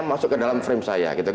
masuk ke dalam frame saya